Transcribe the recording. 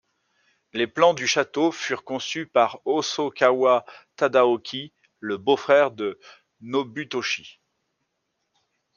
Les plans du château furent conçus par Hosokawa Tadaoki, le beau-frère de Nobutoshi.